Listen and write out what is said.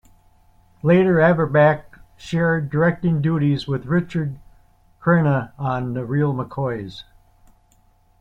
Later, Averback shared directing duties with Richard Crenna on "The Real McCoys".